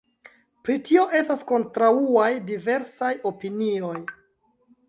Pri tio estas kontraŭaj diversaj opinioj.